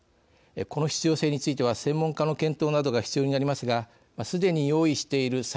この必要性については専門家の検討などが必要になりますがすでに用意している